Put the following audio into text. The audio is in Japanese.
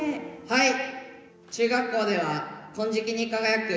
はい。